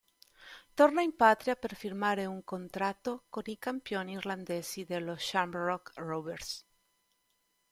Torna in patria per firmare un contratto con i campioni irlandesi dello Shamrock Rovers.